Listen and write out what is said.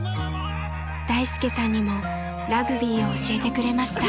［大介さんにもラグビーを教えてくれました］